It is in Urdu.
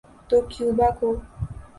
تو کیوبا کو۔